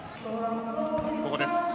ここです。